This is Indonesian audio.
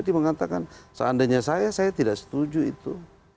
dia mengatakan seandainya saya saya tidak setuju itu